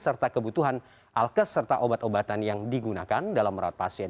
serta kebutuhan alkes serta obat obatan yang digunakan dalam merawat pasien